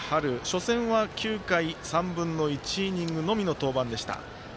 初戦は９回３分の１イニングのみの登板でした。